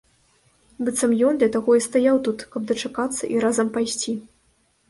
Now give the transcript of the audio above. Быццам ён для таго і стаяў тут, каб дачакацца і разам пайсці.